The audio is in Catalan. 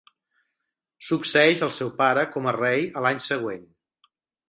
Succeeix al seu pare com a rei a l'any següent.